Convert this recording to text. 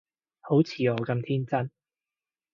好似我咁天真